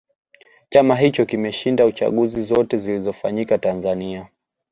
chama hicho kimeshinda chaguzi zote zilizofanyika tanzania